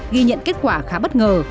ghi nhận kết quả khá bất ngờ